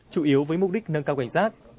chủ yếu với mục đích nâng cao cảnh giác